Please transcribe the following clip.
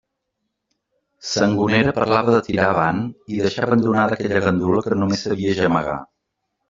Sangonera parlava de tirar avant i deixar abandonada a aquella gandula que només sabia gemegar.